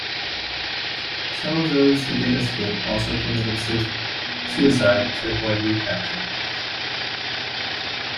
Some of those who did escape also committed suicide to avoid recapture.